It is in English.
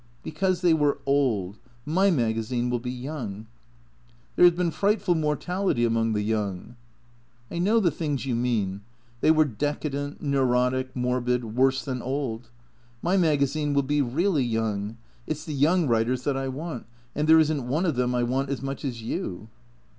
" Because they were old. My magazine will be young." " There has been frightful mortality among the young." " I know the things you mean. They were decadent, neurotic, morbid, worse than old. My magazine will be really young. It's the young writers that I want. And there isn't one of them I want as much as you."